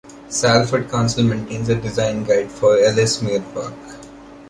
Salford Council maintains a design guide for Ellesmere Park.